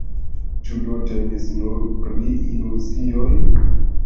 Ĉu do temis nur pri iluzioj?